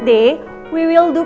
itu ya ier pelonnen